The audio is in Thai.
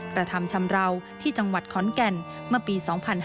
กระทำชำราวที่จังหวัดขอนแก่นเมื่อปี๒๕๕๙